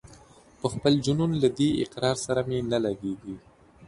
پر خپل جنون له دې اقرار سره مي نه لګیږي